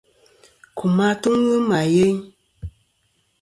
Kum atuŋlɨ ma yeyn.